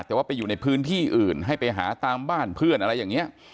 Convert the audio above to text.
แต่ว่าไปอยู่ในพื้นที่อื่นให้ไปหาตามบ้านเพื่อนอะไรอย่างนี้